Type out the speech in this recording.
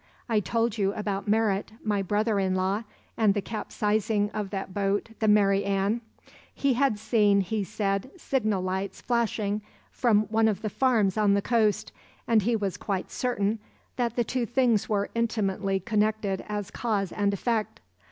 I told you about Merritt, my brother in law, and the capsizing of that boat, the Mary Ann. He had seen, he said, signal lights flashing from one of the farms on the coast, and he was quite certain that the two things were intimately connected as cause and effect.